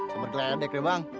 saper keledek ya bang